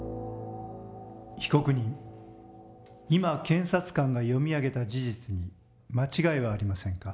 被告人今検察官が読み上げた事実に間違いはありませんか？